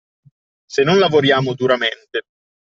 Se non lavoriamo duramente.